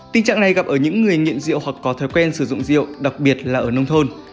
tình trạng này gặp ở những người nghiện rượu hoặc có thói quen sử dụng rượu đặc biệt là ở nông thôn